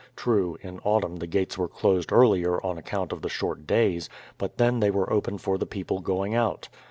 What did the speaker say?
True, in Autumn the gates were closed earlier on account of the short days, but then they were open for the people going out.